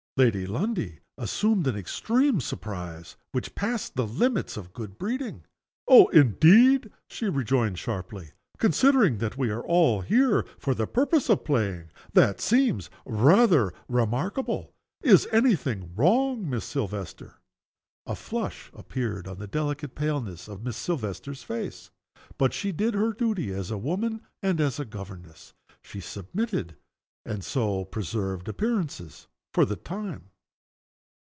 Lady Lundie assumed an extreme surprise which passed the limits of good breeding. "Oh, indeed?" she rejoined, sharply. "Considering that we are all here for the purpose of playing, that seems rather remarkable. Is any thing wrong, Miss Silvester?" A flush appeared on the delicate paleness of Miss Silvester's face. But she did her duty as a woman and a governess. She submitted, and so preserved appearances, for that time.